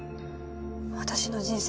私の人生